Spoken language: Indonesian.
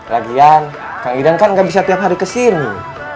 lagian kang idan kan gak bisa tiap hari kesini